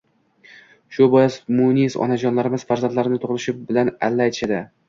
Shu bois munis onajonlarimiz farzandlari tug‘ilishi bilan alla aytishadi